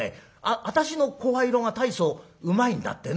私の声色が大層うまいんだってね」。